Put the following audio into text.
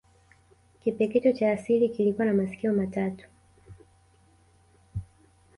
Kipekecho cha asili kilikuwa na masikio matatu